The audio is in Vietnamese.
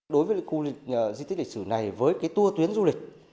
đối với khu di tích lịch sử này với cái tour tuyến du lịch